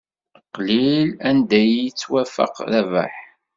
Qlil anda i iyi-yettwafaq Rabaḥ.